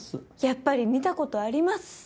やっぱり見た事あります。